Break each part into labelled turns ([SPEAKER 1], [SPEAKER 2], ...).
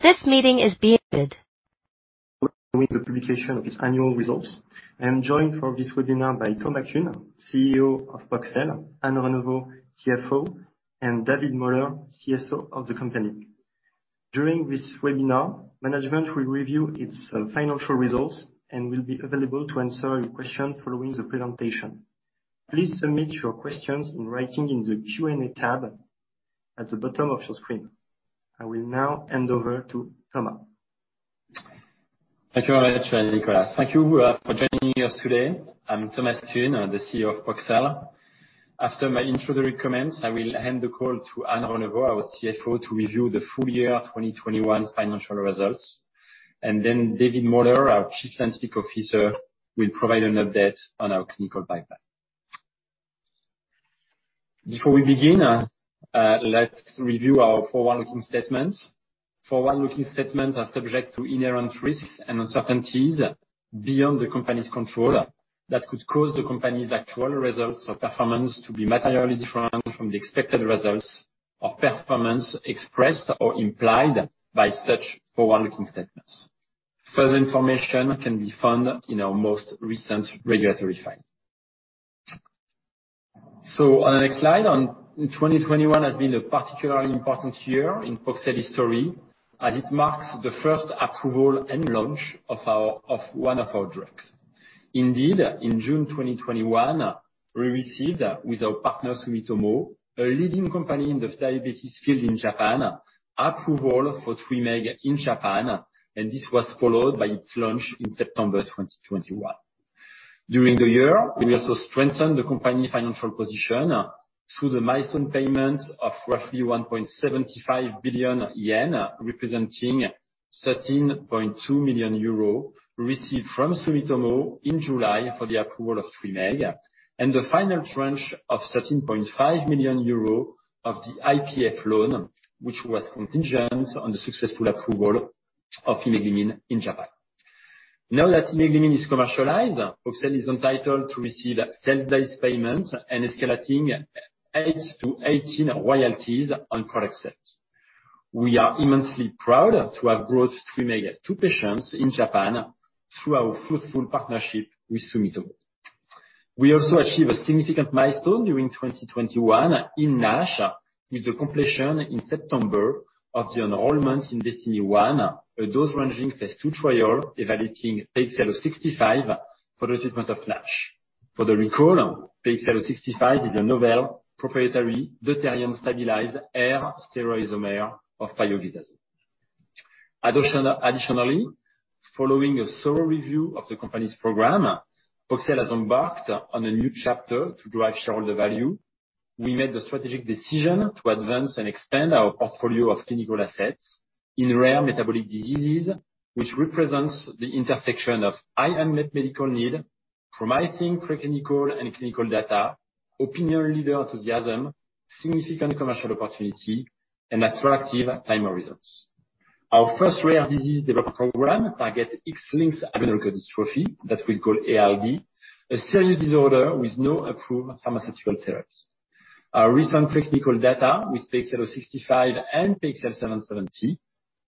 [SPEAKER 1] This meeting is being recorded.
[SPEAKER 2] Following the publication of its annual results, I am joined for this webinar by Thomas Kuhn, CEO of Poxel, Anne Renevot, CFO, and David E. Moller, CSO of the company. During this webinar, management will review its financial results and will be available to answer your question following the presentation. Please submit your questions in writing in the Q&A tab at the bottom of your screen. I will now hand over to Thomas.
[SPEAKER 3] Thank you very much, Nicolas. Thank you for joining us today. I'm Thomas Kuhn, the CEO of Poxel. After my introductory comments, I will hand the call to Anne Renevot, our CFO, to review the full year 2021 financial results. Then David E. Moller, our Chief Scientific Officer, will provide an update on our clinical pipeline. Before we begin, let's review our forward-looking statements. Forward-looking statements are subject to inherent risks and uncertainties beyond the company's control that could cause the company's actual results or performance to be materially different from the expected results or performance expressed or implied by such forward-looking statements. Further information can be found in our most recent regulatory filing. On the next slide, 2021 has been a particularly important year in Poxel's history as it marks the first approval and launch of one of our drugs. Indeed, in June 2021, we received, with our partner, Sumitomo, a leading company in the diabetes field in Japan, approval for TWYMEEG in Japan, and this was followed by its launch in September 2021. During the year, we also strengthened the company financial position through the milestone payment of roughly 1.75 billion yen, representing 13.2 million euro, received from Sumitomo in July for the approval of TWYMEEG, and the final tranche of 13.5 million euro of the IPF loan, which was contingent on the successful approval of imeglimin in Japan. Now that imeglimin is commercialized, Poxel is entitled to receive sales-based payments and escalating 8%-18% royalties on product sales. We are immensely proud to have brought TWYMEEG to patients in Japan through our fruitful partnership with Sumitomo. We achieve a significant milestone during 2021 in NASH, with the completion in September of the enrollment in DESTINY-1, a dose-ranging phase II trial evaluating PXL065 for the treatment of NASH. To recall, PXL065 is a novel, proprietary, deuterium-stabilized R-stereoisomer of pioglitazone. Additionally, following a thorough review of the company's program, Poxel has embarked on a new chapter to drive shareholder value. We made the strategic decision to advance and expand our portfolio of clinical assets in rare metabolic diseases, which represents the intersection of high unmet medical need, promising pre-clinical and clinical data, opinion leader enthusiasm, significant commercial opportunity, and attractive term results. Our first rare disease development program targets X-linked adrenoleukodystrophy, that we call ALD, a serious disorder with no approved pharmaceutical therapies. Our recent technical data with PXL065 and PXL770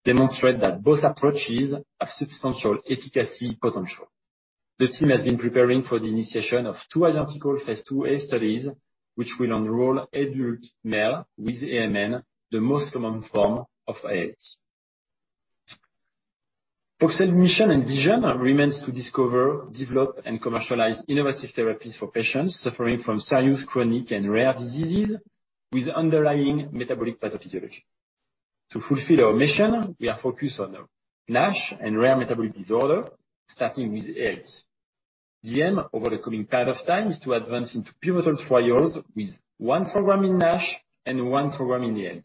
[SPEAKER 3] demonstrate that both approaches have substantial efficacy potential. The team has been preparing for the initiation of two identical phase IIa studies, which will enroll adult male with AMN, the most common form of ALD. Poxel mission and vision remains to discover, develop, and commercialize innovative therapies for patients suffering from serious chronic and rare diseases with underlying metabolic pathophysiology. To fulfill our mission, we are focused on NASH and rare metabolic disorder, starting with ALD. The aim over the coming period of time is to advance into pivotal trials with one program in NASH and one program in ALD.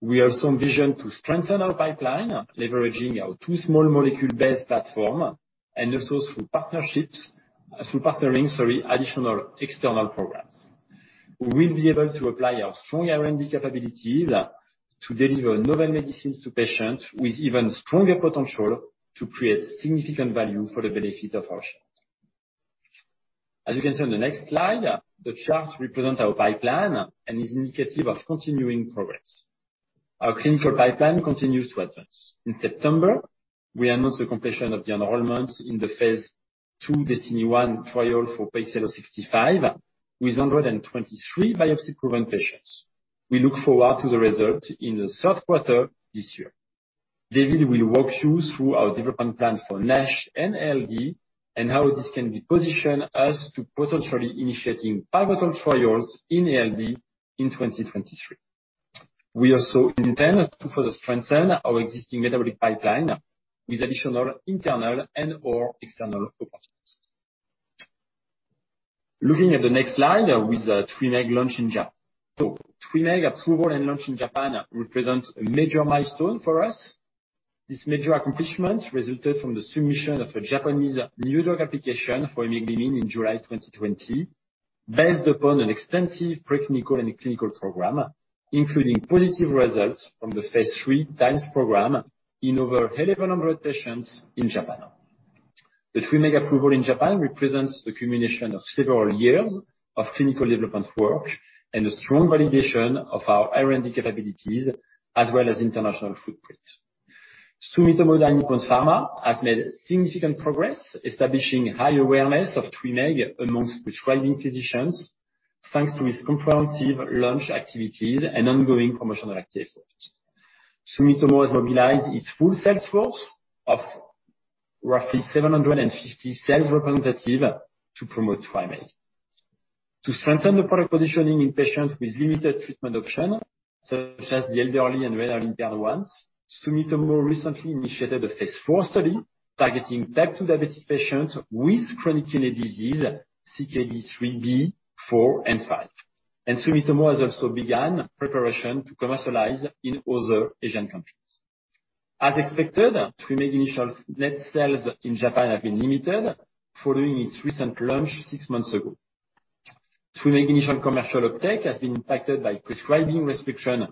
[SPEAKER 3] We also envision to strengthen our pipeline, leveraging our two small molecule-based platform and also through partnerships, through partnering, sorry, additional external programs. We will be able to apply our strong R&D capabilities to deliver novel medicines to patients with even stronger potential to create significant value for the benefit of our shareholders. As you can see on the next slide, the chart represents our pipeline and is indicative of continuing progress. Our clinical pipeline continues to advance. In September, we announced the completion of the enrollment in the phase II DESTINY-1 trial for PXL065 with 123 biopsy-proven patients. We look forward to the result in the third quarter this year. David will walk you through our development plan for NASH and ALD and how this can be positioned as to potentially initiating pivotal trials in ALD in 2023. We also intend to further strengthen our existing metabolic pipeline with additional internal and/or external opportunities. Looking at the next slide with the TWYMEEG launch in Japan. TWYMEEG approval and launch in Japan represents a major milestone for us. This major accomplishment resulted from the submission of a Japanese new drug application for imeglimin in July 2020, based upon an extensive pre-clinical and clinical program, including positive results from the phase III TIMES program in over 1,100 patients in Japan. The TWYMEEG approval in Japan represents the accumulation of several years of clinical development work and a strong validation of our R&D capabilities, as well as international footprint. Sumitomo Dainippon Pharma has made significant progress establishing high awareness of TWYMEEG among prescribing physicians, thanks to its comprehensive launch activities and ongoing promotional activities. Sumitomo has mobilized its full sales force of roughly 750 sales representatives to promote TWYMEEG. To strengthen the product positioning in patients with limited treatment option, such as the elderly and renal impaired ones, Sumitomo recently initiated a phase IV study targeting Type 2 diabetes patients with chronic kidney disease, CKD 3b, 4, and 5. Sumitomo has also began preparation to commercialize in other Asian countries. As expected, TWYMEEG initial net sales in Japan have been limited following its recent launch six months ago. TWYMEEG initial commercial uptake has been impacted by prescribing restriction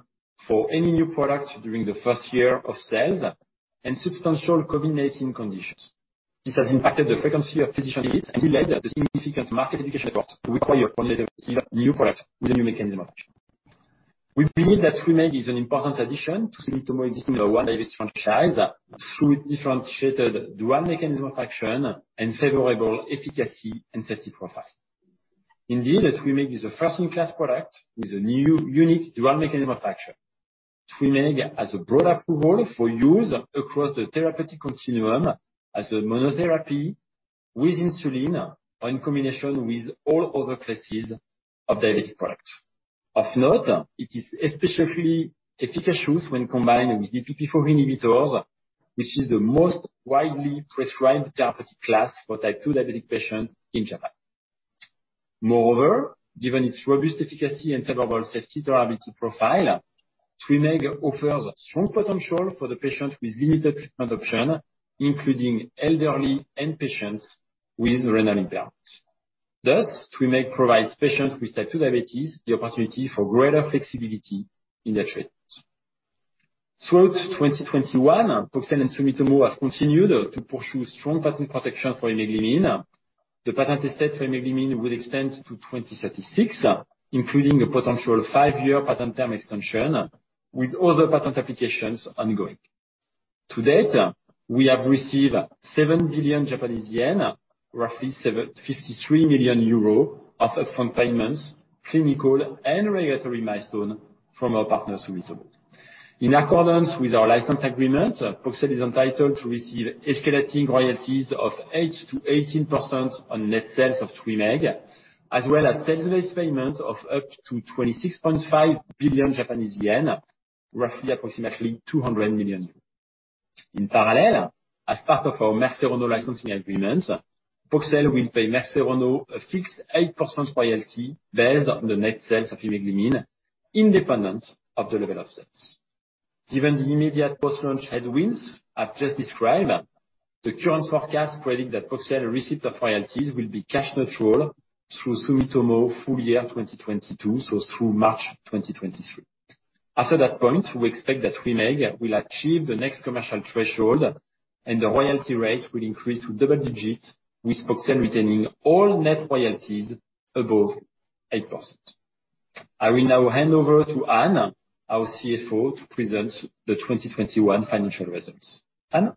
[SPEAKER 3] for any new product during the first year of sales and substantial COVID-19 conditions. This has impacted the frequency of physician visits and delayed the significant market education effort required for a new product with a new mechanism of action. We believe that TWYMEEG is an important addition to Sumitomo existing diabetes franchise through differentiated dual mechanism of action and favorable efficacy and safety profile. Indeed, TWYMEEG is a first-in-class product with a new, unique dual mechanism of action. TWYMEEG has a broad approval for use across the therapeutic continuum as a monotherapy with insulin or in combination with all other classes of diabetic products. Of note, it is especially efficacious when combined with DPP-4 inhibitors, which is the most widely prescribed therapeutic class for Type 2 diabetic patients in Japan. Moreover, given its robust efficacy and favorable safety durability profile, TWYMEEG offers strong potential for the patient with limited treatment option, including elderly and patients with renal impairment. Thus, TWYMEEG provides patients with Type 2 diabetes the opportunity for greater flexibility in their treatment. Throughout 2021, Poxel and Sumitomo have continued to pursue strong patent protection for imeglimin. The patent status for imeglimin will extend to 2036, including a potential five-year patent term extension, with other patent applications ongoing. To date, we have received 7 billion Japanese yen, roughly 53 million euro of upfront payments, clinical and regulatory milestones from our partner, Sumitomo. In accordance with our license agreement, Poxel is entitled to receive escalating royalties of 8%-18% on net sales of TWYMEEG, as well as sales-based payments of up to 26.5 billion Japanese yen, roughly 200 million. In parallel, as part of our Merck Serono licensing agreement, Poxel will pay Merck Serono a fixed 8% royalty based on the net sales of imeglimin, independent of the level of sales. Given the immediate post-launch headwinds I've just described, the current forecast predict that Poxel receipt of royalties will be cash neutral through Sumitomo full year 2022, so through March 2023. After that point, we expect that TWYMEEG will achieve the next commercial threshold, and the royalty rate will increase to double digits, with Poxel retaining all net royalties above 8%. I will now hand over to Anne, our CFO, to present the 2021 financial results. Anne?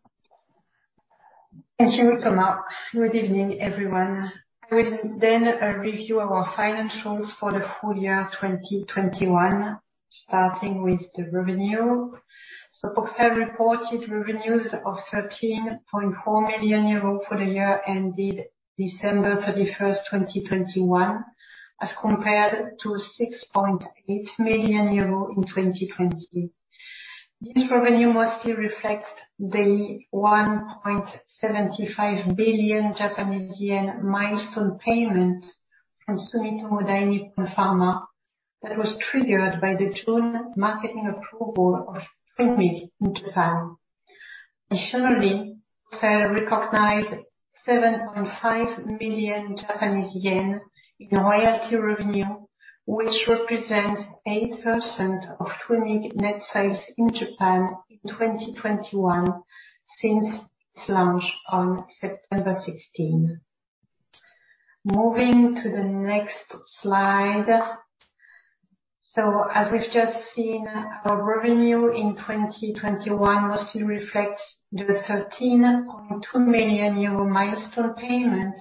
[SPEAKER 4] Thank you, Thomas. Good evening, everyone. I will then review our financials for the full year 2021, starting with the revenue. Poxel reported revenues of 13.4 million euros for the year ended December 31, 2021, as compared to 6.8 million euros in 2020. This revenue mostly reflects the 1.75 billion Japanese yen milestone payment from Sumitomo Dainippon Pharma that was triggered by the June marketing approval of TWYMEEG in Japan. Additionally, Poxel recognized 7.5 million Japanese yen in royalty revenue, which represents 8% of TWYMEEG net sales in Japan in 2021 since its launch on September 16. Moving to the next slide. As we've just seen, our revenue in 2021 mostly reflects the 13.2 million euro milestone payment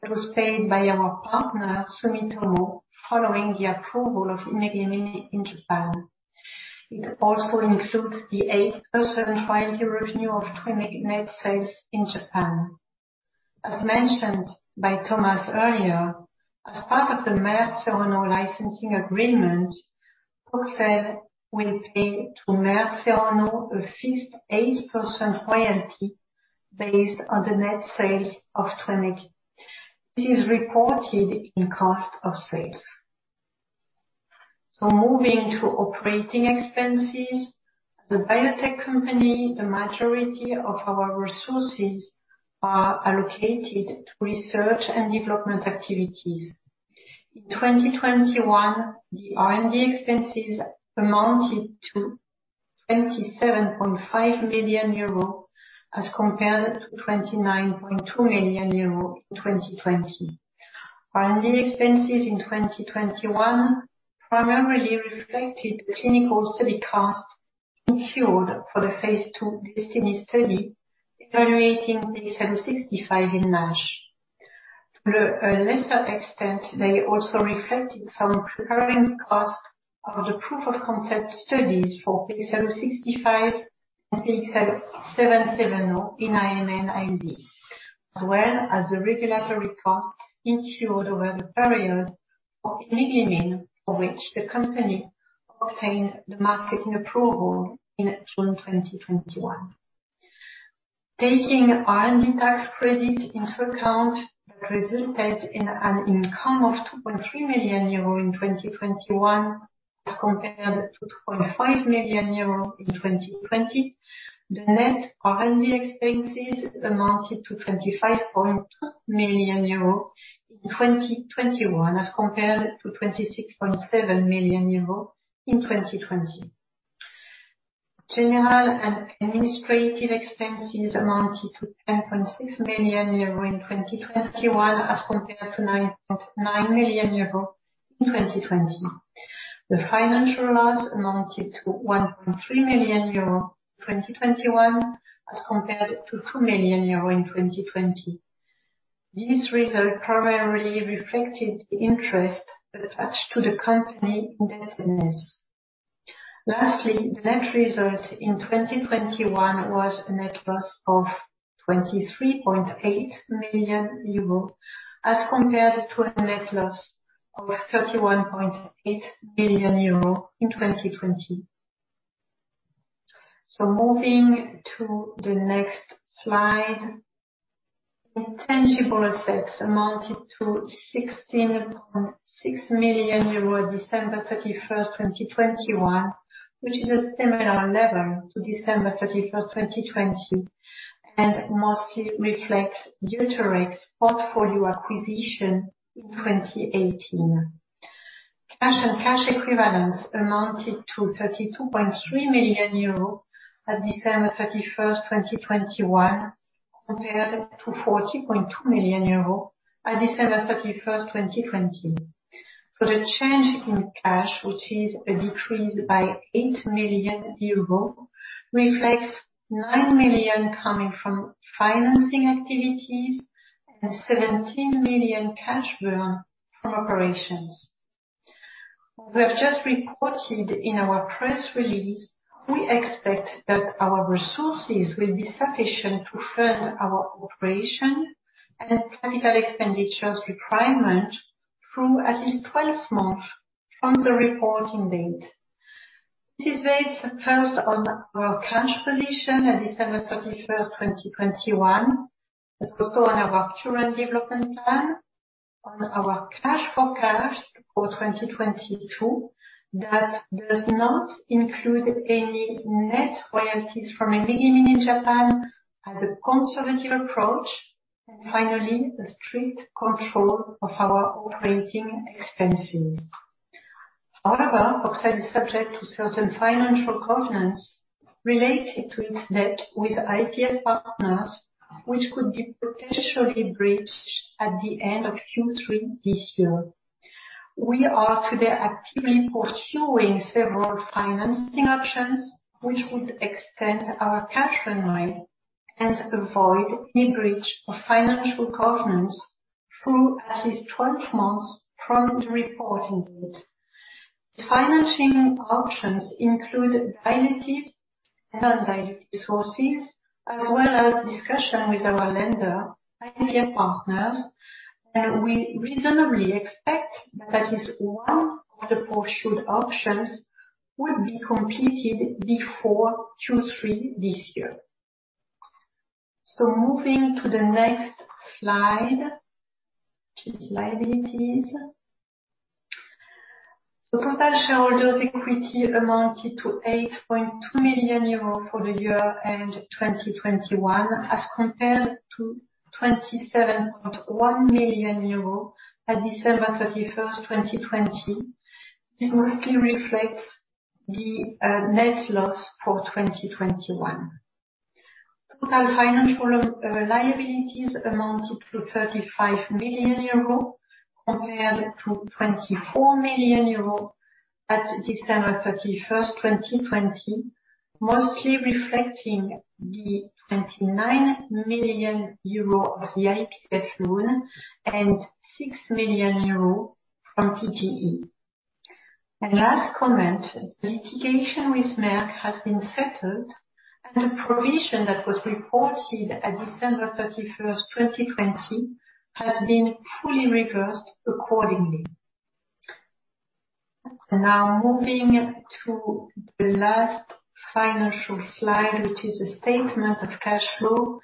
[SPEAKER 4] that was paid by our partner, Sumitomo, following the approval of imeglimin in Japan. It also includes the 8% royalty revenue of TWYMEEG net sales in Japan. As mentioned by Thomas earlier, as part of the Merck Serono licensing agreement, Poxel will pay to Merck Serono a fixed 8% royalty based on the net sales of TWYMEEG. This is reported in cost of sales. Moving to operating expenses. As a biotech company, the majority of our resources are allocated to research and development activities. In 2021, the R&D expenses amounted to 27.5 million euro as compared to 29.2 million euro in 2020. R&D expenses in 2021 primarily reflected the clinical study costs incurred for the phase II DESTINY-1 study evaluating PXL065 in NASH. To a lesser extent, they also reflected some preparing costs of the proof of concept studies for PXL065 and PXL770 in AMN/ALD, as well as the regulatory costs incurred over the period of imeglimin for which the company obtained the marketing approval in June 2021. Taking R&D tax credit into account, that resulted in an income of 2.3 million euro in 2021 as compared to 2.5 million euro in 2020. The net R&D expenses amounted to 25.2 million euro in 2021 as compared to 26.7 million euro in 2020. General and administrative expenses amounted to 10.6 million euros in 2021 as compared to 9.9 million euros in 2020. The financial loss amounted to 1.3 million euros in 2021 as compared to 4 million euros in 2020. These results primarily reflected the interest attached to the company indebtedness. Lastly, the net result in 2021 was a net loss of 23.8 million euro as compared to a net loss of 31.8 million euro in 2020. Moving to the next slide. Intangible assets amounted to 16.6 million euros December 31, 2021, which is a similar level to December 31, 2020, and mostly reflects DeuteRx portfolio acquisition in 2018. Cash and cash equivalents amounted to 32.3 million euros at December 31, 2021, compared to 40.2 million euros at December 31, 2020. The change in cash, which is a decrease by 8 million euro, reflects 9 million coming from financing activities and 17 million cash burn from operations. We have just reported in our press release, we expect that our resources will be sufficient to fund our operation and capital expenditures requirement through at least 12 months from the reporting date. This is based first on our cash position at December 31, 2021. It's also on our current development plan on our cash forecast for 2022 that does not include any net royalties from imeglimin in Japan as a conservative approach. Finally, the strict control of our operating expenses. However, [Poxel] is subject to certain financial covenants related to its debt with IPF Partners, which could be potentially breached at the end of Q3 this year. We are today actively pursuing several financing options which would extend our cash runway and avoid any breach of financial covenants through at least 12 months from the reporting date. These financing options include dilutive and non-dilutive sources, as well as discussion with our lender, IPF Partners, and we reasonably expect that at least one of the pursued options will be completed before Q3 this year. Moving to the next slide. Key liabilities. Total shareholders equity amounted to 8.2 million euros for the year-end 2021, as compared to 27.1 million euros at December 31, 2020. It mostly reflects the net loss for 2021. Total financial liabilities amounted to 35 million euro compared to 24 million euro at December 31, 2020, mostly reflecting the 29 million euro of the IPF loan and 6 million euro from PGE. Last comment, the litigation with Merck has been settled and the provision that was reported at December 31, 2020, has been fully reversed accordingly. Now moving to the last financial slide, which is a statement of cash flow.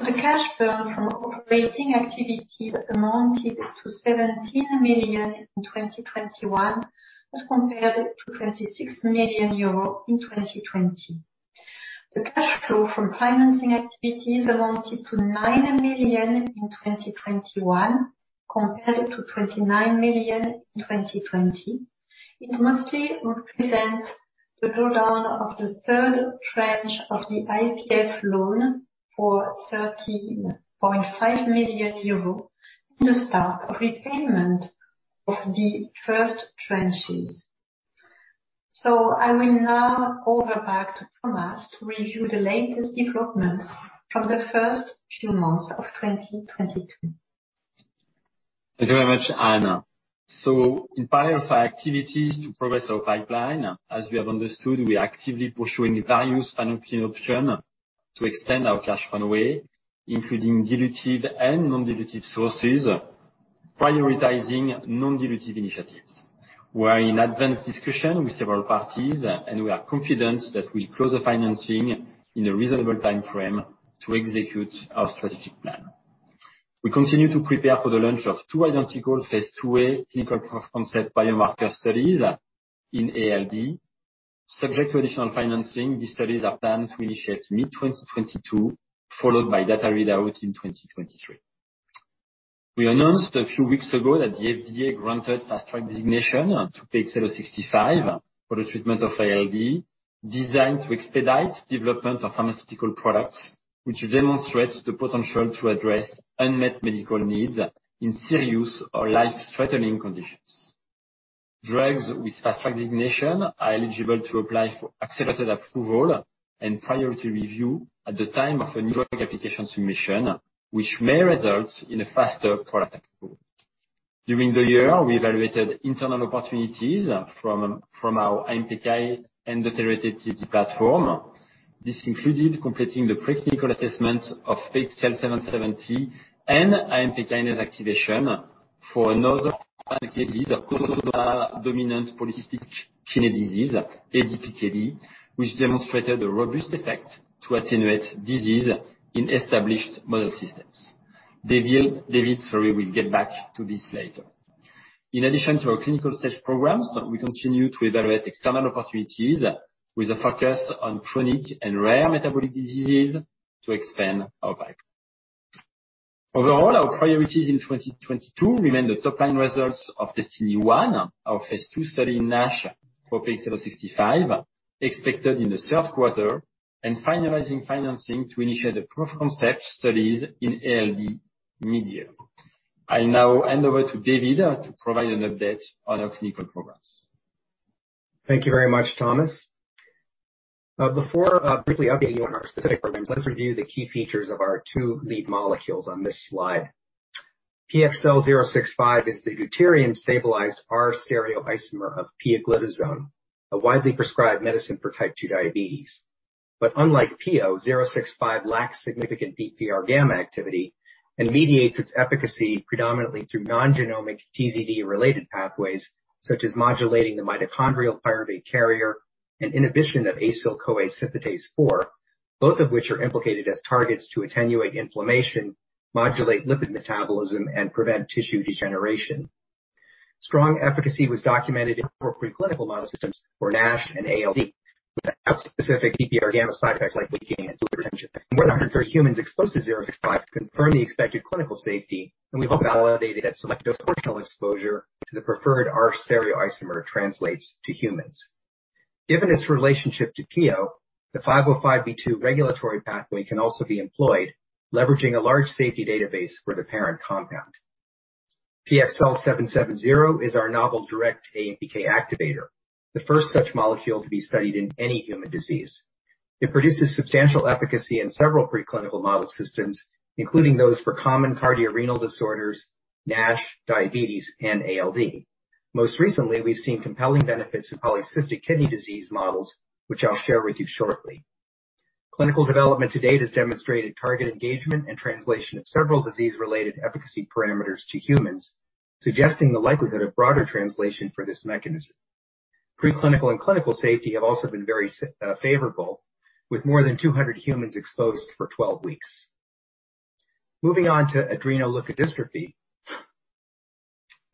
[SPEAKER 4] The cash burn from operating activities amounted to 17 million in 2021 as compared to 26 million euros in 2020. The cash flow from financing activities amounted to 9 million in 2021, compared to 29 million in 2020. It mostly represents the drawdown of the third tranche of the IPF loan for 13.5 million euros and the start of repayment of the first tranches. I will now hand it back over to Thomas to review the latest developments from the first few months of 2022.
[SPEAKER 3] Thank you very much, Anne. In parallel to our activities to progress our pipeline, as we have understood, we are actively pursuing various financing option to extend our cash runway, including dilutive and non-dilutive sources, prioritizing non-dilutive initiatives. We are in advanced discussion with several parties, and we are confident that we'll close the financing in a reasonable timeframe to execute our strategic plan. We continue to prepare for the launch of two identical phase IIa clinical proof-of-concept biomarker studies in ALD. Subject to additional financing, these studies are planned to initiate mid-2022, followed by data readouts in 2023. We announced a few weeks ago that the FDA granted Fast Track designation to PXL065 for the treatment of ALD, designed to expedite development of pharmaceutical products, which demonstrates the potential to address unmet medical needs in serious or life-threatening conditions. Drugs with Fast Track designation are eligible to apply for accelerated approval and priority review at the time of a new drug application submission, which may result in a faster product approval. During the year, we evaluated internal opportunities from our AMPK and deuterated TZD platform. This included completing the pre-clinical assessment of PXL770 and AMPK kinase activation for another panel of cases of Autosomal Dominant Polycystic Kidney Disease, ADPKD, which demonstrated a robust effect to attenuate disease in established model systems. David, sorry, will get back to this later. In addition to our clinical stage programs, we continue to evaluate external opportunities with a focus on chronic and rare metabolic disease to expand our pipeline. Overall, our priorities in 2022 remain the top-line results of DESTINY-1, our phase II study in NASH for PXL065, expected in the third quarter, and finalizing financing to initiate the proof-of-concept studies in ALD. I now hand over to David to provide an update on our clinical programs.
[SPEAKER 5] Thank you very much, Thomas. Before briefly updating you on our specific programs, let's review the key features of our two lead molecules on this slide. PXL065 is the deuterium-stabilized R-stereoisomer of pioglitazone, a widely prescribed medicine for Type 2 diabetes. Unlike pioglitazone, PXL065 lacks significant PPAR gamma activity and mediates its efficacy predominantly through non-genomic TZD-related pathways, such as modulating the mitochondrial pyruvate carrier and inhibition of acyl-CoA synthetase 4, both of which are implicated as targets to attenuate inflammation, modulate lipid metabolism and prevent tissue degeneration. Strong efficacy was documented in four preclinical model systems for NASH and ALD without specific PPAR gamma side effects like weight gain and fluid retention. More than 130 humans exposed to PXL065 confirm the expected clinical safety, and we've also validated that selective oral exposure to the preferred R-stereoisomer translates to humans. Given its relationship to pioglitazone, the 505(b)(2) regulatory pathway can also be employed, leveraging a large safety database for the parent compound. PXL770 is our novel direct AMPK activator, the first such molecule to be studied in any human disease. It produces substantial efficacy in several preclinical model systems, including those for common cardiorenal disorders, NASH, diabetes and ALD. Most recently, we've seen compelling benefits in polycystic kidney disease models, which I'll share with you shortly. Clinical development to date has demonstrated target engagement and translation of several disease-related efficacy parameters to humans, suggesting the likelihood of broader translation for this mechanism. Preclinical and clinical safety have also been very favorable, with more than 200 humans exposed for 12 weeks. Moving on to adrenoleukodystrophy.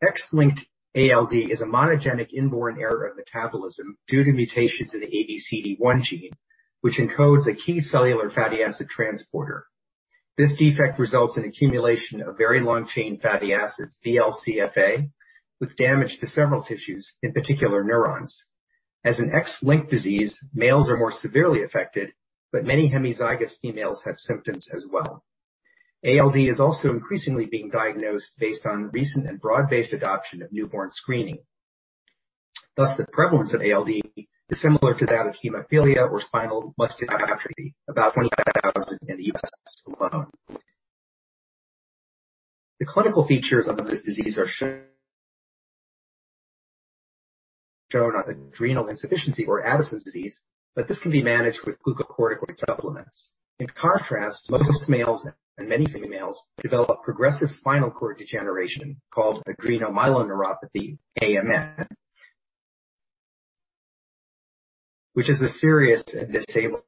[SPEAKER 5] X-linked ALD is a monogenic inborn error of metabolism due to mutations in the ABCD1 gene, which encodes a key cellular fatty acid transporter. This defect results in accumulation of Very Long-Chain Fatty Acids (VLCFA), with damage to several tissues, in particular neurons. As an X-linked disease, males are more severely affected, but many homozygous females have symptoms as well. ALD is also increasingly being diagnosed based on recent and broad-based adoption of newborn screening. Thus, the prevalence of ALD is similar to that of hemophilia or spinal muscular atrophy, about 25,000 in the U.S. alone. The clinical features of this disease are such as adrenal insufficiency or Addison's disease, but this can be managed with glucocorticoid supplements. In contrast, most males and many females develop progressive spinal cord degeneration called adrenomyeloneuropathy, AMN, which is a serious and disabling.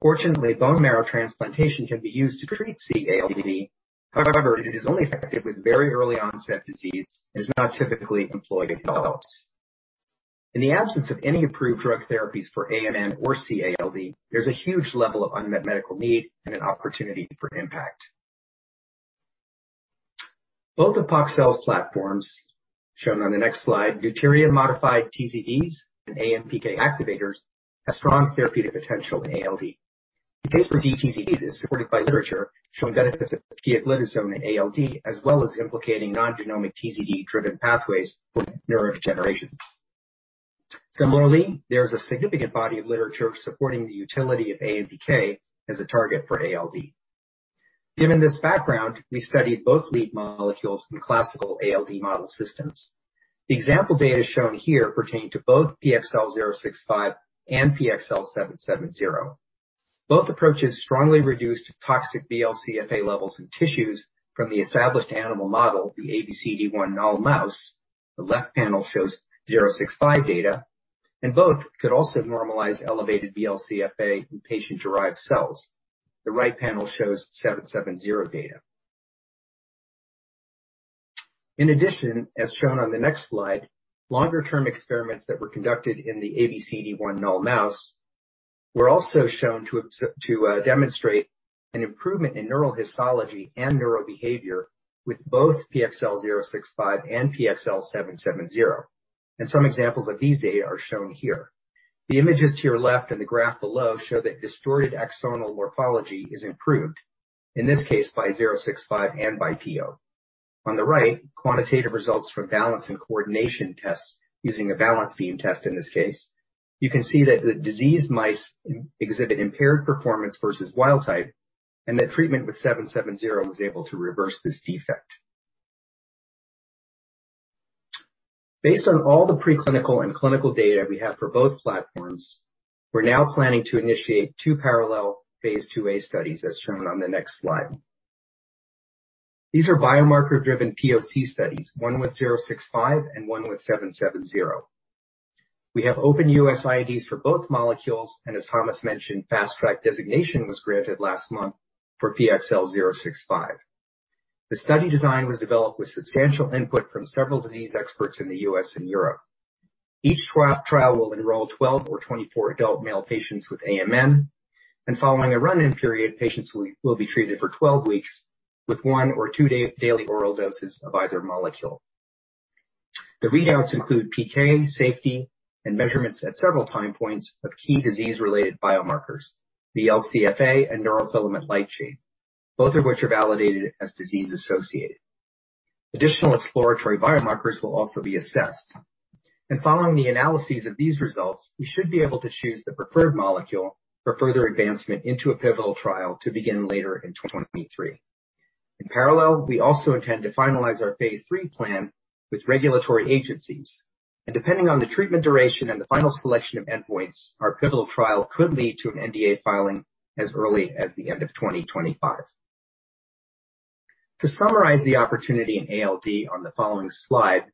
[SPEAKER 5] Well, fortunately, bone marrow transplantation can be used to treat cALD. However, it is only effective with very early onset disease and is not typically employed in adults. In the absence of any approved drug therapies for AMN or cALD, there's a huge level of unmet medical need and an opportunity for impact. Both of Poxel's platforms, shown on the next slide, deuterium-modified TZD and AMPK activators, have strong therapeutic potential in ALD. The case for dTZDs is supported by literature showing benefits of pioglitazone in ALD, as well as implicating non-genomic TZD-driven pathways for neurodegeneration. Similarly, there's a significant body of literature supporting the utility of AMPK as a target for ALD. Given this background, we studied both lead molecules in classical ALD model systems. The example data shown here pertain to both PXL065 and PXL770. Both approaches strongly reduced toxic VLCFA levels in tissues from the established animal model, the ABCD1 null mouse. The left panel shows PXL065 data, and both could also normalize elevated VLCFA in patient-derived cells. The right panel shows PXL770 data. In addition, as shown on the next slide, longer-term experiments that were conducted in the ABCD1 null mouse were also shown to demonstrate an improvement in neural histology and neural behavior with both PXL065 and PXL770, and some examples of these data are shown here. The images to your left and the graph below show that distorted axonal morphology is improved, in this case by PXL065 and by PXL770. On the right, quantitative results from balance and coordination tests using a balance beam test in this case. You can see that the disease mice exhibit impaired performance versus wild type, and that treatment with 770 was able to reverse this defect. Based on all the preclinical and clinical data we have for both platforms, we're now planning to initiate two parallel phase IIa studies, as shown on the next slide. These are biomarker-driven POC studies, one with 065 and one with 770. We have open U.S. INDs for both molecules, and as Thomas mentioned, Fast Track designation was granted last month for PXL065. The study design was developed with substantial input from several disease experts in the U.S. and Europe. Each trial will enroll 12 or 24 adult male patients with AMN. Following a run-in period, patients will be treated for 12 weeks with one or two daily oral doses of either molecule. The readouts include PK, safety, and measurements at several time points of key disease-related biomarkers, the VLCFA and neurofilament light chain, both of which are validated as disease-associated. Additional exploratory biomarkers will also be assessed. Following the analyses of these results, we should be able to choose the preferred molecule for further advancement into a pivotal trial to begin later in 2023. In parallel, we also intend to finalize our phase III plan with regulatory agencies. Depending on the treatment duration and the final selection of endpoints, our pivotal trial could lead to an NDA filing as early as the end of 2025. To summarize the opportunity in ALD on the following slide,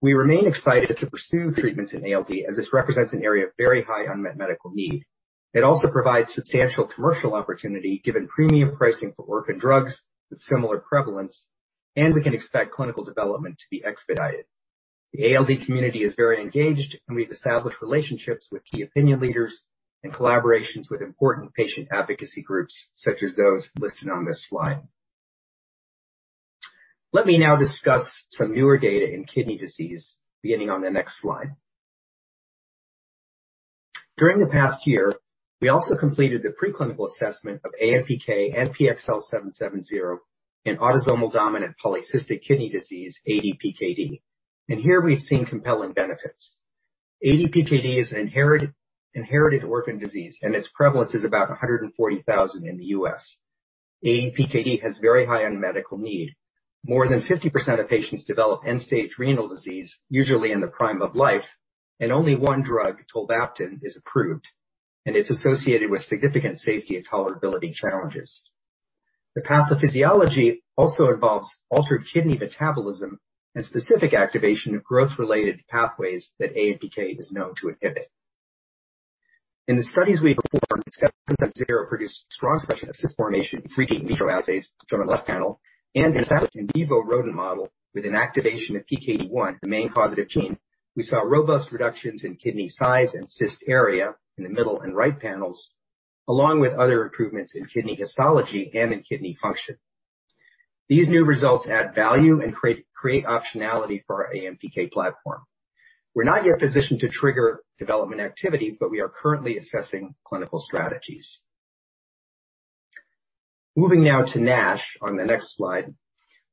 [SPEAKER 5] we remain excited to pursue treatments in ALD, as this represents an area of very high unmet medical need. It also provides substantial commercial opportunity, given premium pricing for orphan drugs with similar prevalence, and we can expect clinical development to be expedited. The ALD community is very engaged, and we've established relationships with key opinion leaders and collaborations with important patient advocacy groups such as those listed on this slide. Let me now discuss some newer data in kidney disease, beginning on the next slide. During the past year, we also completed the preclinical assessment of AMPK and PXL770 in autosomal dominant polycystic kidney disease, ADPKD. Here we've seen compelling benefits. ADPKD is an inherited orphan disease, and its prevalence is about 140,000 in the U.S. ADPKD has very high unmet medical need. More than 50% of patients develop end-stage renal disease, usually in the prime of life, and only one drug, tolvaptan, is approved, and it's associated with significant safety and tolerability challenges. The pathophysiology also involves altered kidney metabolism and specific activation of growth-related pathways that AMPK is known to inhibit. In the studies we performed, PXL770 produced strong suppression of cyst formation in 3D in vitro assays shown on the left panel and established in vivo rodent model with an activation of PKD1, the main causative gene. We saw robust reductions in kidney size and cyst area in the middle and right panels, along with other improvements in kidney histology and in kidney function. These new results add value and create optionality for our AMPK platform. We're not yet positioned to trigger development activities, but we are currently assessing clinical strategies. Moving now to NASH on the next slide.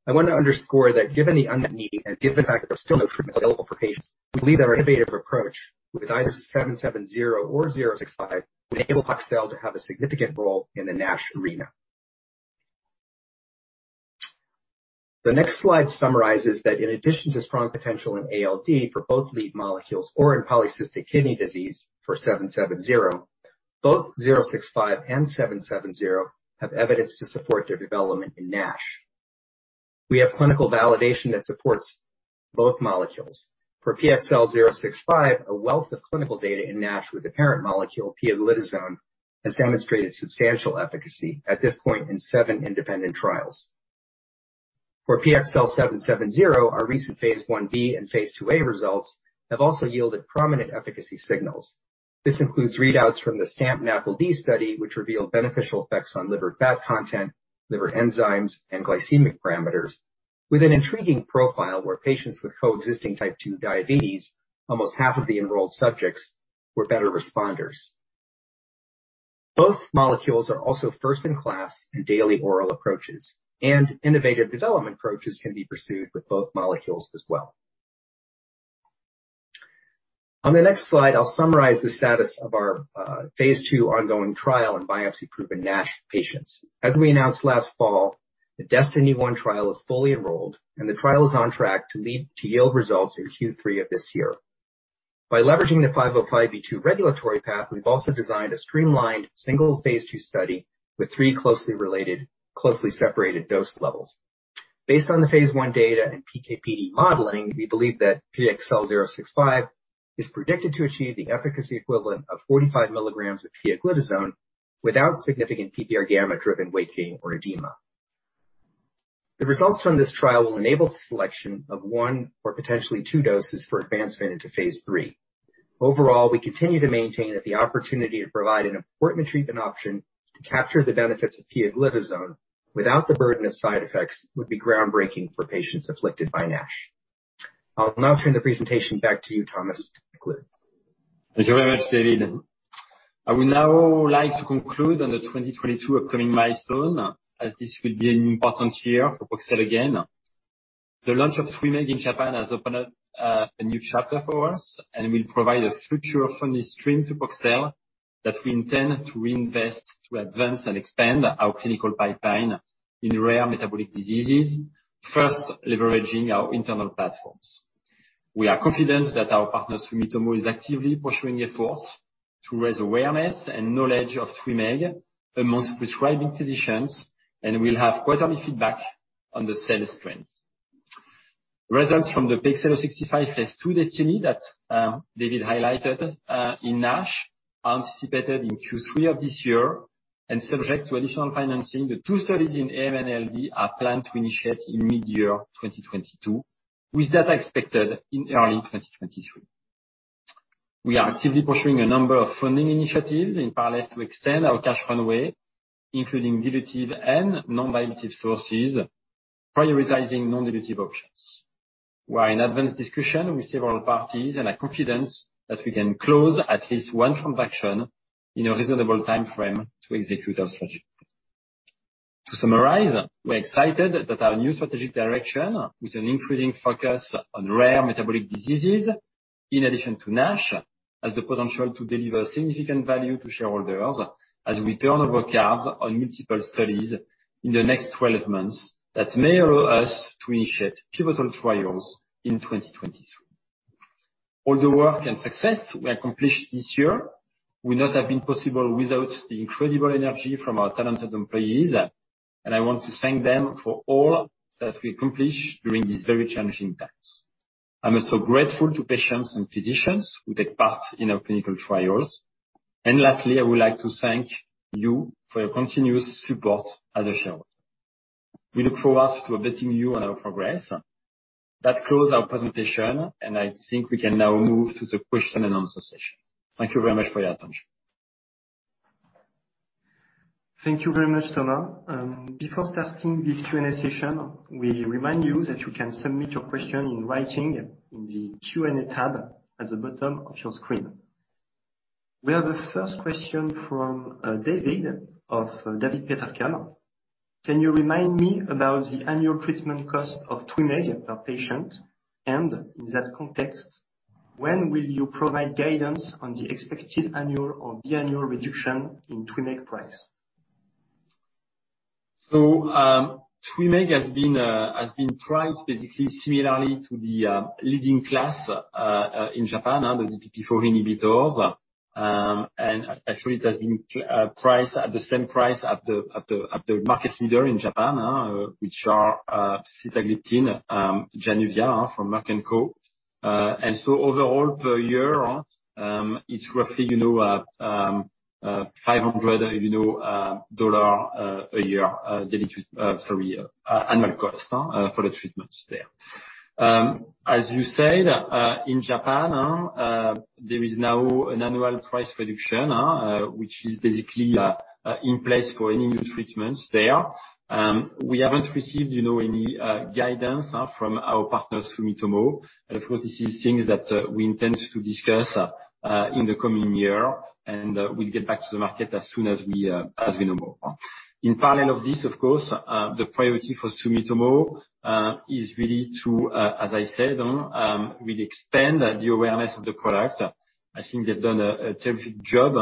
[SPEAKER 5] I want to underscore that given the unmet need and given the fact that there are still no treatments available for patients, we believe our innovative approach with either PXL770 or PXL065 will enable Poxel to have a significant role in the NASH arena. The next slide summarizes that in addition to strong potential in ALD for both lead molecules or in polycystic kidney disease for PXL770, both PXL065 and PXL770 have evidence to support their development in NASH. We have clinical validation that supports both molecules. For PXL065, a wealth of clinical data in NASH with the parent molecule, pioglitazone, has demonstrated substantial efficacy at this point in seven independent trials. For PXL770, our recent phase Ib and phase IIa results have also yielded prominent efficacy signals. This includes readouts from the STAMP-NAFLD study, which revealed beneficial effects on liver fat content, liver enzymes, and glycemic parameters with an intriguing profile where patients with coexisting Type 2 diabetes, almost half of the enrolled subjects, were better responders. Both molecules are also first in class in daily oral approaches, and innovative development approaches can be pursued with both molecules as well. On the next slide, I'll summarize the status of our phase II ongoing trial in biopsy-proven NASH patients. As we announced last fall, the DESTINY-1 trial is fully enrolled, and the trial is on track to lead to yield results in Q3 of this year. By leveraging the 505(b)(2) regulatory path, we've also designed a streamlined single phase II study with three closely related, closely separated dose levels. Based on the phase I data and PKPD modeling, we believe that PXL065 is predicted to achieve the efficacy equivalent of 45 milligrams of pioglitazone without significant PPARγ driven weight gain or edema. The results from this trial will enable selection of one or potentially two doses for advancement into phase III. Overall, we continue to maintain that the opportunity to provide an important treatment option to capture the benefits of pioglitazone without the burden of side effects would be groundbreaking for patients afflicted by NASH. I'll now turn the presentation back to you, Thomas, to conclude.
[SPEAKER 3] Thank you very much, David. I would now like to conclude on the 2022 upcoming milestones, as this will be an important year for Poxel again. The launch of TWYMEEG in Japan has opened up a new chapter for us, and will provide a future funding stream to Poxel that we intend to reinvest to advance and expand our clinical pipeline in rare metabolic diseases, first leveraging our internal platforms. We are confident that our partner, Sumitomo, is actively pursuing efforts to raise awareness and knowledge of TWYMEEG amongst prescribing physicians, and we'll have quarterly feedback on the sales trends. Results from the PXL065 phase II DESTINY-1 that David highlighted in NASH are anticipated in Q3 of this year. Subject to additional financing, the two studies in AMN/ALD are planned to initiate in mid-2022, with data expected in early 2023. We are actively pursuing a number of funding initiatives in parallel to extend our cash runway, including dilutive and non-dilutive sources, prioritizing non-dilutive options. We are in advanced discussion with several parties, and are confident that we can close at least one transaction in a reasonable timeframe to execute our strategy. To summarize, we're excited that our new strategic direction, with an increasing focus on rare metabolic diseases in addition to NASH, has the potential to deliver significant value to shareholders as we turn over cards on multiple studies in the next 12 months that may allow us to initiate pivotal trials in 2023. All the work and success we have accomplished this year would not have been possible without the incredible energy from our talented employees, and I want to thank them for all that we accomplished during these very challenging times. I'm also grateful to patients and physicians who take part in our clinical trials. Lastly, I would like to thank you for your continuous support as a shareholder. We look forward to updating you on our progress. That close our presentation, and I think we can now move to the question and answer session. Thank you very much for your attention.
[SPEAKER 2] Thank you very much, Thomas. Before starting this Q&A session, we remind you that you can submit your question in writing in the Q&A tab at the bottom of your screen. We have a first question from David of Degroof Petercam. Can you remind me about the annual treatment cost of TWYMEEG per patient? And in that context, when will you provide guidance on the expected annual or biannual reduction in TWYMEEG price?
[SPEAKER 3] TWYMEEG has been priced basically similarly to the leading class in Japan, the DPP-4 inhibitors. Actually, it has been priced at the same price of the market leader in Japan, which is sitagliptin, Januvia from Merck & Co. Overall, per year, it's roughly, you know, $500 a year annual cost for the treatments there. As you said, in Japan, there is now an annual price reduction, which is basically in place for any new treatments there. We haven't received, you know, any guidance from our partners, Sumitomo. Of course, this is things that we intend to discuss in the coming year. We'll get back to the market as soon as we know more. In parallel of this, of course, the priority for Sumitomo is really to, as I said, really expand the awareness of the product. I think they've done a terrific job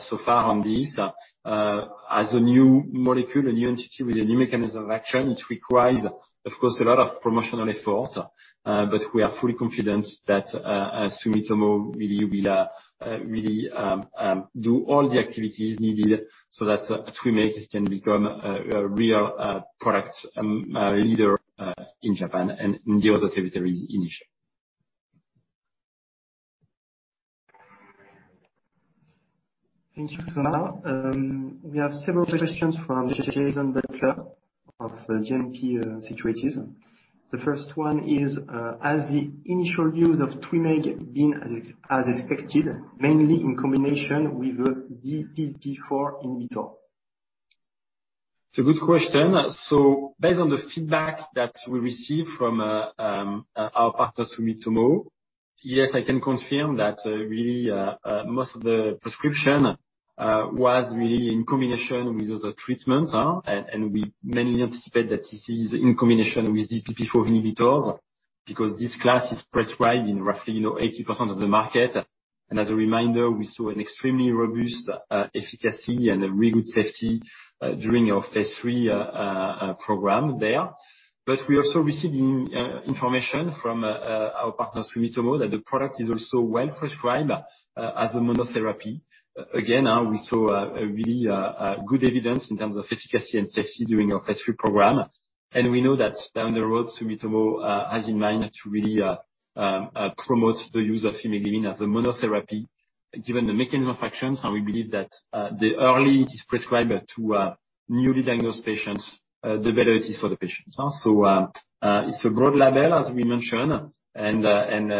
[SPEAKER 3] so far on this. As a new molecule, a new entity with a new mechanism of action, it requires, of course, a lot of promotional effort, but we are fully confident that Sumitomo really will really do all the activities needed so that TWYMEEG can become a real product leader in Japan and in the other territories in Asia.
[SPEAKER 2] Thank you, Thomas. We have several questions from Jason Butler of JMP Securities. The first one is, has the initial use of TWYMEEG been as expected, mainly in combination with the DPP-4 inhibitor?
[SPEAKER 3] It's a good question. Based on the feedback that we received from our partners, Sumitomo, yes, I can confirm that really most of the prescription was really in combination with other treatment. We mainly anticipate that this is in combination with DPP-4 inhibitors, because this class is prescribed in roughly, you know, 80% of the market. As a reminder, we saw an extremely robust efficacy and a really good safety during our phase III program there. We're also receiving information from our partners, Sumitomo, that the product is also well prescribed as a monotherapy. Again, we saw really good evidence in terms of efficacy and safety during our phase III program. We know that down the road, Sumitomo has in mind to really promote the use of imeglimin as a monotherapy. Given the mechanism of actions, and we believe that the earlier it is prescribed to newly diagnosed patients, the better it is for the patients. It's a broad label as we mentioned, and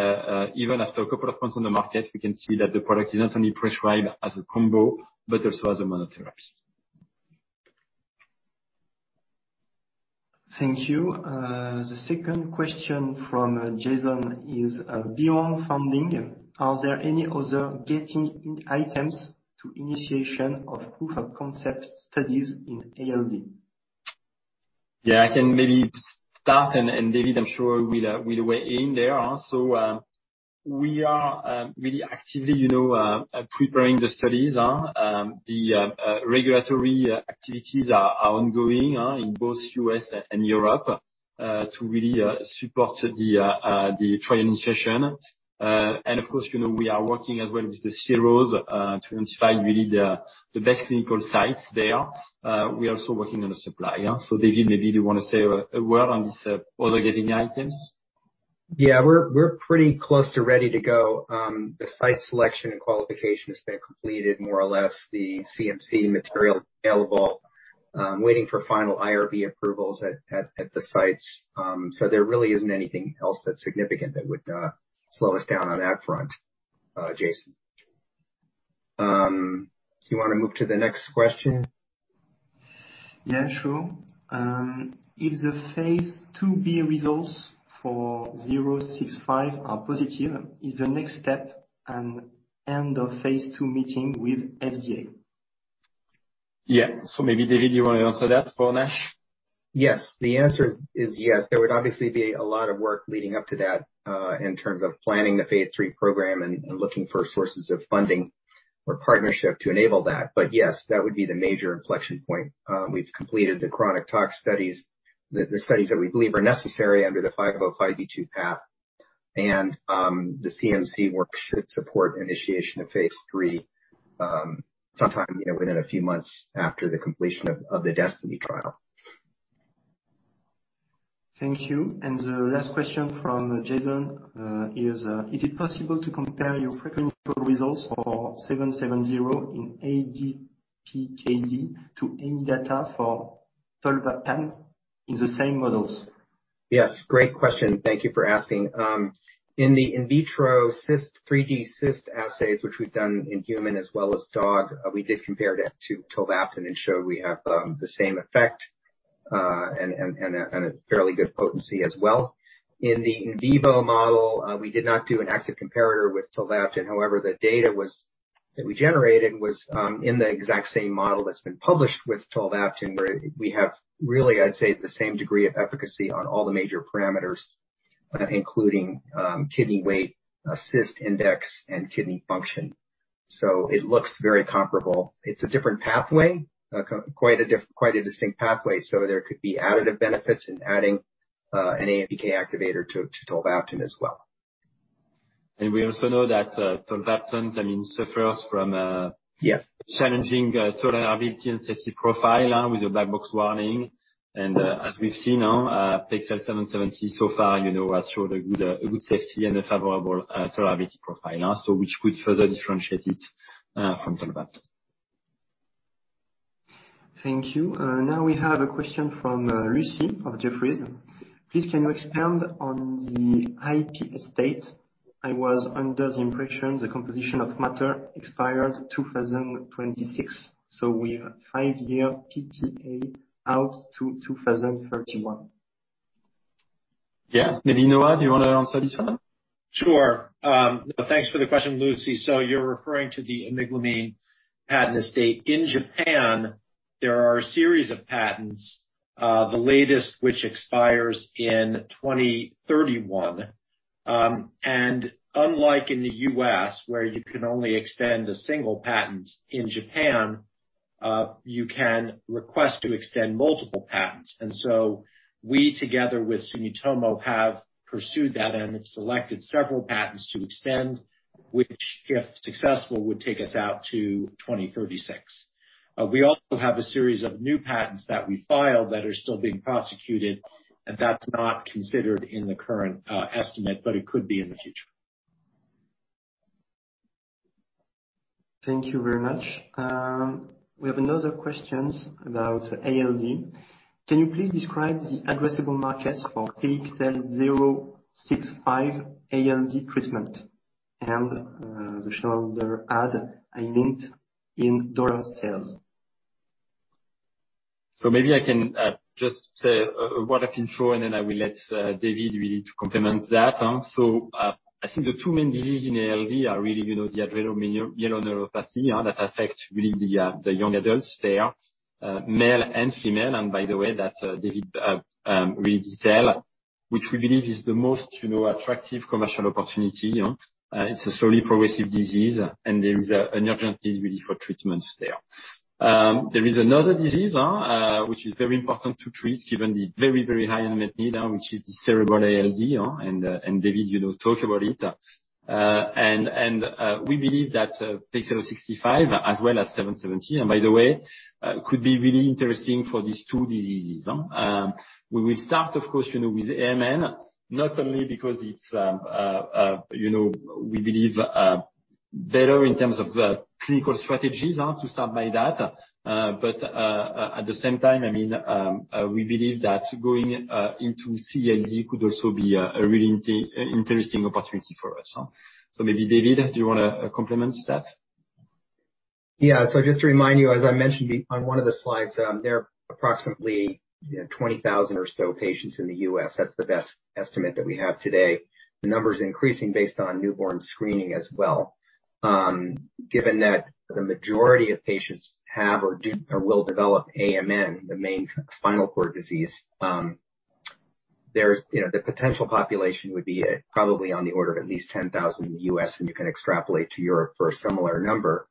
[SPEAKER 3] even after a couple of months on the market, we can see that the product is not only prescribed as a combo, but also as a monotherapy.
[SPEAKER 2] Thank you. The second question from Jason is, beyond funding, are there any other gating items to initiation of proof of concept studies in ALD?
[SPEAKER 3] Yeah, I can maybe start and David I'm sure will weigh in there. We are really actively, you know, preparing the studies. The regulatory activities are ongoing in both U.S. and Europe to really support the trial initiation. Of course, you know, we are working as well with the CROs to identify really the best clinical sites there. We are also working on the supply. David, maybe you want to say a word on this other gating items.
[SPEAKER 5] Yeah. We're pretty close to ready to go. The site selection and qualification has been completed more or less. The CMC material available, waiting for final IRB approvals at the sites. There really isn't anything else that's significant that would slow us down on that front, Jason. Do you wanna move to the next question?
[SPEAKER 2] Yeah, sure. If the phase IIb results for PXL065 are positive, is the next step an end-of-phase II meeting with FDA?
[SPEAKER 3] Yeah. Maybe David, you wanna answer that for NASH?
[SPEAKER 5] Yes. The answer is yes. There would obviously be a lot of work leading up to that, in terms of planning the phase III program and looking for sources of funding or partnership to enable that. Yes, that would be the major inflection point. We've completed the chronic tox studies, the studies that we believe are necessary under the 505(b)(2) path. The CMC work should support initiation of phase III, sometime, you know, within a few months after the completion of the DESTINY-1 trial.
[SPEAKER 2] Thank you. The last question from Jason is it possible to compare your preclinical results for PXL770 in ADPKD to any data for tolvaptan in the same models?
[SPEAKER 5] Yes. Great question. Thank you for asking. In the in vitro cyst 3D cyst assays, which we've done in human as well as dog, we did compare that to tolvaptan and showed we have the same effect and a fairly good potency as well. In the in vivo model, we did not do an active comparator with tolvaptan. However, the data that we generated was in the exact same model that's been published with tolvaptan, where we have really, I'd say, the same degree of efficacy on all the major parameters, including kidney weight, cyst index and kidney function. So it looks very comparable. It's a different pathway, quite a distinct pathway, so there could be additive benefits in adding an AMPK activator to tolvaptan as well.
[SPEAKER 3] We also know that tolvaptan, I mean, suffers from-
[SPEAKER 5] Yeah.
[SPEAKER 3] -challenging tolerability and safety profile with the black box warning. As we've seen, PXL770 so far, you know, has showed a good safety and a favorable tolerability profile, so which could further differentiate it from tolvaptan.
[SPEAKER 2] Thank you. Now we have a question from Lucy of Jefferies. Please, can you expand on the IP estate? I was under the impression the composition of matter expired 2026, so we have five-year PTA out to 2031.
[SPEAKER 3] Yeah. Maybe Noah, do you wanna answer this one?
[SPEAKER 6] Sure. Thanks for the question, Lucy. You're referring to the imeglimin patent estate. In Japan, there are a series of patents, the latest which expires in 2031. Unlike in the U.S., where you can only extend a single patent, in Japan, you can request to extend multiple patents. We, together with Sumitomo, have pursued that and have selected several patents to extend, which if successful, would take us out to 2036. We also have a series of new patents that we filed that are still being prosecuted, and that's not considered in the current estimate, but it could be in the future.
[SPEAKER 2] Thank you very much. We have another question about ALD. Can you please describe the addressable markets for PXL065 ALD treatment? The total addressable market in dollar sales.
[SPEAKER 3] Maybe I can just say what I've been shown, and then I will let David really complement that. I think the two main disease in ALD are really, you know, the adrenomyeloneuropathy that affect really the young adults there, male and female. By the way, that David will really detail, which we believe is the most, you know, attractive commercial opportunity, you know. It's a slowly progressive disease and there is an urgent need really for treatments there. There is another disease, which is very important to treat given the very, very high unmet need, which is the cerebral ALD, and David, you know, talk about it. We believe that PXL065 as well as PXL770, and by the way, could be really interesting for these two diseases. We will start, of course, you know, with AMN, not only because it's better in terms of clinical strategies to start by that. At the same time, I mean, we believe that going into cALD could also be a really interesting opportunity for us. Maybe David, do you wanna complement that?
[SPEAKER 5] Yeah. Just to remind you, as I mentioned on one of the slides, there are approximately 20,000 or so patients in the U.S. That's the best estimate that we have today. The number's increasing based on newborn screening as well. Given that the majority of patients have or do or will develop AMN, the main spinal cord disease, there's, you know, the potential population would be probably on the order of at least 10,000 in the U.S., and you can extrapolate to Europe for a similar number.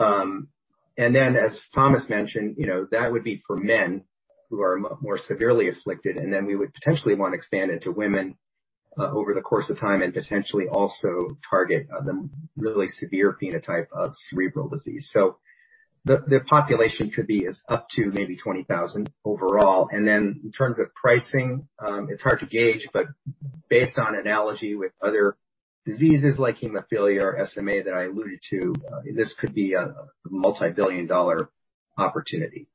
[SPEAKER 5] As Thomas mentioned, you know, that would be for men who are more severely afflicted, and then we would potentially wanna expand into women, over the course of time, and potentially also target the really severe phenotype of cerebral disease. The population could be as up to maybe 20,000 overall. Then in terms of pricing, it's hard to gauge, but based on analogy with other diseases like hemophilia or SMA that I alluded to, this could be a multi-billion-dollar opportunity.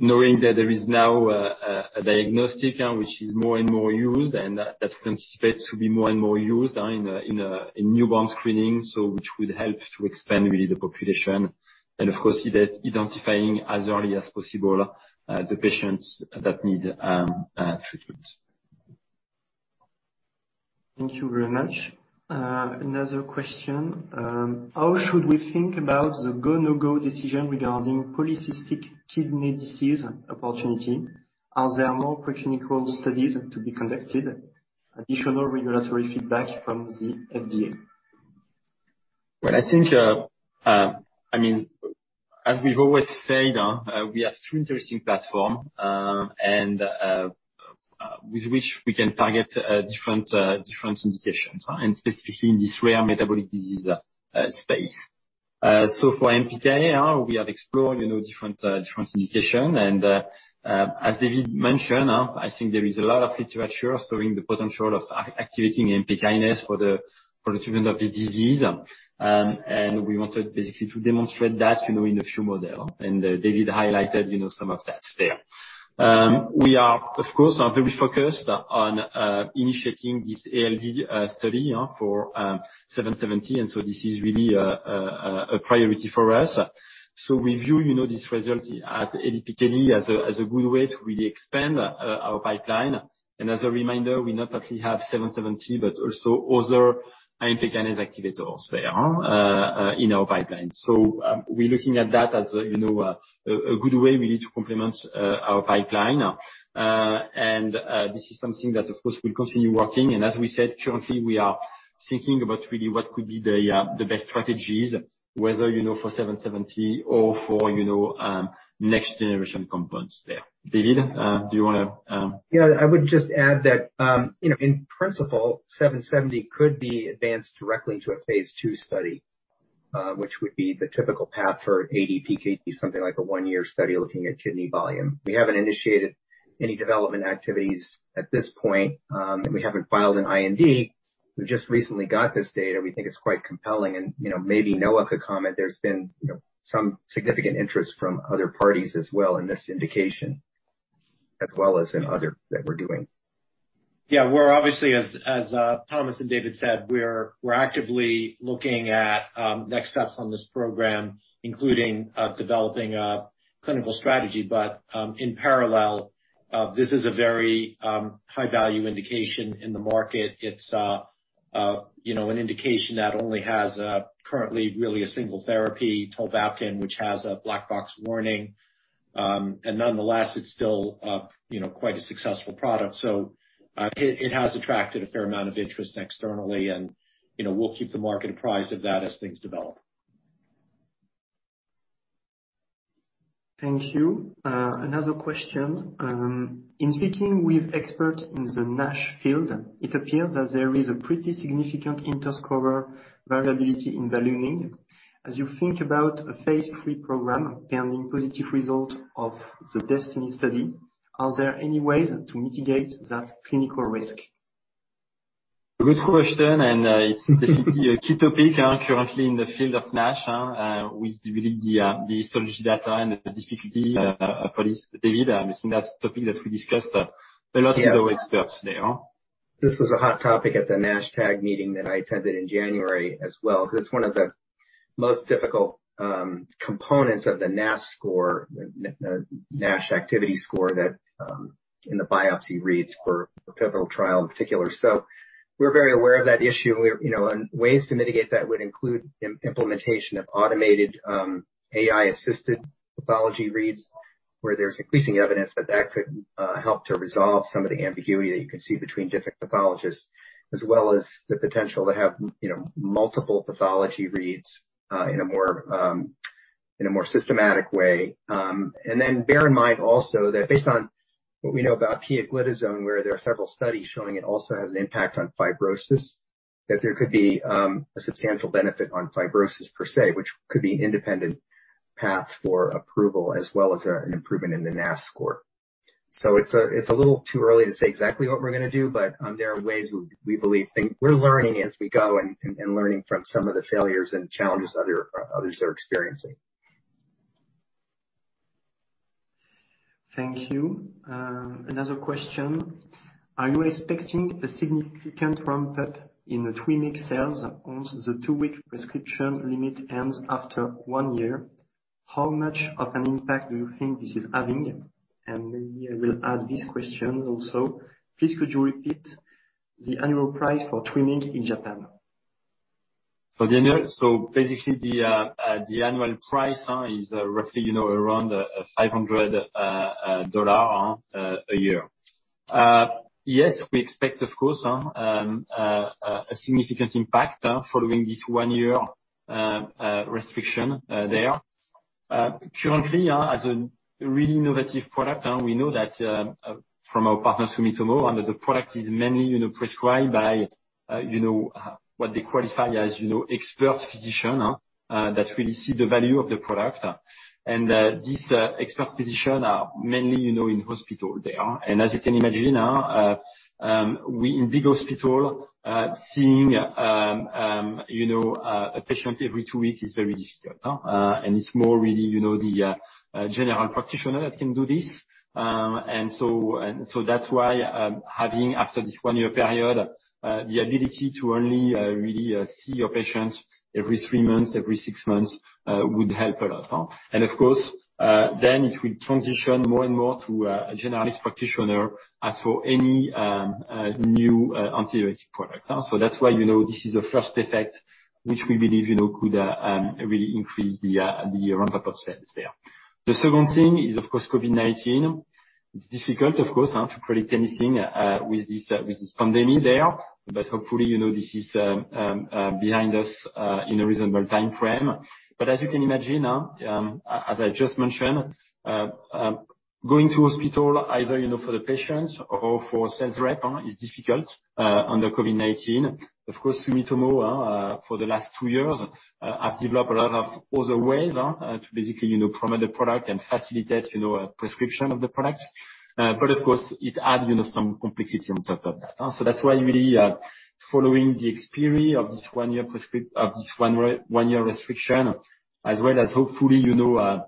[SPEAKER 3] Knowing that there is now a diagnostic which is more and more used, and that's anticipated to be more and more used in newborn screening, so which would help to expand really the population, and of course, identifying as early as possible the patients that need treatment.
[SPEAKER 2] Thank you very much. Another question. How should we think about the go, no-go decision regarding polycystic kidney disease opportunity? Are there more preclinical studies to be conducted, additional regulatory feedback from the FDA?
[SPEAKER 3] Well, I think, I mean, as we've always said, we have two interesting platforms, and with which we can target different indications, and specifically in this rare metabolic disease space. So for AMPK, we have explored, you know, different indication. As David mentioned, I think there is a lot of literature showing the potential of activating AMPK for the treatment of the disease. We wanted basically to demonstrate that, you know, in a few model. David highlighted, you know, some of that there. We are of course very focused on initiating this ALD study for PXL770, and so this is really a priority for us. We view, you know, this result as ADPKD as a good way to really expand our pipeline. As a reminder, we not only have seven seventy but also other AMPK activators there in our pipeline. We're looking at that as, you know, a good way we need to complement our pipeline. This is something that of course will continue working. As we said, currently, we are thinking about really what could be the best strategies, whether, you know, for PXL770 or for, you know, next generation components there. David, do you wanna
[SPEAKER 5] Yeah. I would just add that, you know, in principle, PXL770 could be advanced directly into a phase II study, which would be the typical path for ADPKD, something like a one-year study looking at kidney volume. We haven't initiated any development activities at this point, and we haven't filed an IND. We just recently got this data. We think it's quite compelling and, you know, maybe Noah could comment. There's been, you know, some significant interest from other parties as well in this indication, as well as in others that we're doing.
[SPEAKER 6] Yeah. We're obviously, as Thomas and David said, we're actively looking at next steps on this program, including developing a clinical strategy. In parallel, this is a very high value indication in the market. It's you know, an indication that only has currently really a single therapy, tolvaptan, which has a black box warning. Nonetheless, it's still you know, quite a successful product. It has attracted a fair amount of interest externally and you know, we'll keep the market apprised of that as things develop.
[SPEAKER 2] Thank you. Another question. In speaking with expert in the NASH field, it appears that there is a pretty significant inter-scorer variability in ballooning. As you think about a phase III program turning positive result of the DESTINY-1 study, are there any ways to mitigate that clinical risk?
[SPEAKER 3] Good question. It's basically a key topic currently in the field of NASH with really the pathology data and the difficulty for this, David. I mean that's a topic that we discussed a lot with our experts there.
[SPEAKER 5] This was a hot topic at the NASH-TAG meeting that I attended in January as well. This is one of the most difficult components of the NAS score, the NAFLD Activity Score that in the biopsy reads for pivotal trial in particular. We're very aware of that issue. You know, ways to mitigate that would include implementation of automated AI-assisted pathology reads, where there's increasing evidence that that could help to resolve some of the ambiguity that you can see between different pathologists. As well as the potential to have you know multiple pathology reads in a more systematic way. Bear in mind also that based on what we know about pioglitazone, where there are several studies showing it also has an impact on fibrosis, that there could be a substantial benefit on fibrosis per se, which could be an independent path for approval as well as an improvement in the NAS score. It's a little too early to say exactly what we're gonna do. There are ways we believe things. We're learning as we go and learning from some of the failures and challenges others are experiencing.
[SPEAKER 2] Thank you. Another question. Are you expecting a significant ramp up in the TWYMEEG sales once the two-week prescription limit ends after one year? How much of an impact do you think this is having? Maybe I will add this question also. Please, could you repeat the annual price for TWYMEEG in Japan?
[SPEAKER 3] Basically the annual price is roughly, you know, around $500 a year. Yes, we expect of course a significant impact following this one year restriction there. Currently, as a really innovative product, we know that from our partners, Sumitomo, that the product is mainly, you know, prescribed by, you know, what they qualify as, you know, expert physician that really see the value of the product. This expert physician are mainly, you know, in hospital there. As you can imagine, in big hospital, seeing, you know, a patient every two weeks is very difficult, and it's more really, you know, the general practitioner that can do this. That's why, having after this one-year period, the ability to only really see your patient every three months, every six months would help a lot. Of course, then it will transition more and more to a generalist practitioner as for any new anti-viral product. That's why, you know, this is a first effect, which we believe, you know, could really increase the ramp up of sales there. The second thing is, of course, COVID-19. It's difficult of course to predict anything with this pandemic there. Hopefully, you know, this is behind us in a reasonable timeframe. As you can imagine, as I just mentioned, going to hospital either, you know, for the patients or for sales rep, is difficult under COVID-19. Of course, Sumitomo for the last two years have developed a lot of other ways to basically, you know, promote the product and facilitate, you know, a prescription of the product. Of course, it adds, you know, some complexity on top of that. That's why really following the expiry of this one year restriction, as well as hopefully, you know,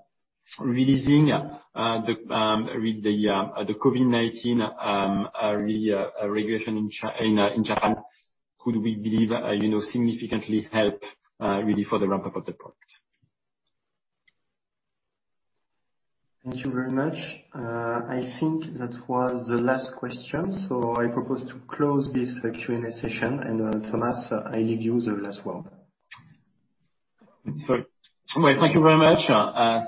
[SPEAKER 3] releasing the COVID-19 regulation in Japan, could, we believe, you know, significantly help really for the ramp up of the product.
[SPEAKER 2] Thank you very much. I think that was the last question. I propose to close this Q&A session. Thomas, I leave you the last word.
[SPEAKER 3] Sorry. Well, thank you very much.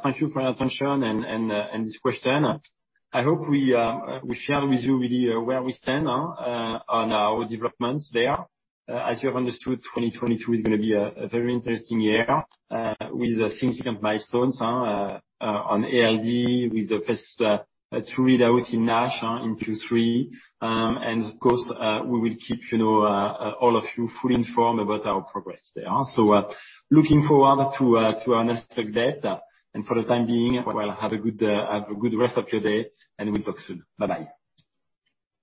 [SPEAKER 3] Thank you for your attention and this question. I hope we share with you really where we stand on our developments there. As you have understood, 2022 is gonna be a very interesting year with significant milestones on ALD, with the first two readouts in NASH in 2023. And of course, we will keep, you know, all of you fully informed about our progress there. Looking forward to our next update. For the time being, well, have a good rest of your day, and we'll talk soon. Bye-bye.